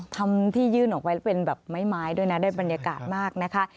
ทำที่ยื่นออกไปแล้วเป็นแบบไม้ด้วยนะได้บรรยากาศมากนะคะ